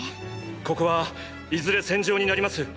ここはいずれ戦場になります。